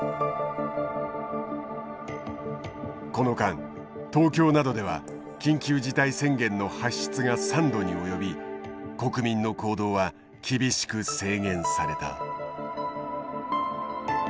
この間東京などでは緊急事態宣言の発出が３度に及び国民の行動は厳しく制限された。